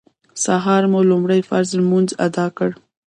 سهار مو لومړی فرض لمونځ اداء کړ.